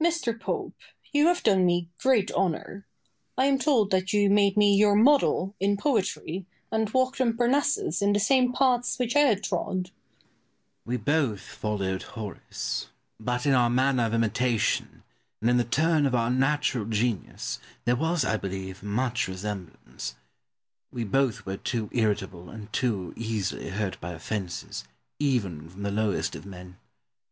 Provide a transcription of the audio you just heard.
Boileau. Mr. Pope, you have done me great honour. I am told that you made me your model in poetry, and walked on Parnassus in the same paths which I had trod. Pope. We both followed Horace, but in our manner of imitation, and in the turn of our natural genius, there was, I believe, much resemblance. We both were too irritable and too easily hurt by offences, even from the lowest of men.